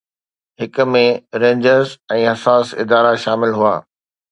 هڪ ۾ رينجرز ۽ حساس ادارا شامل هئا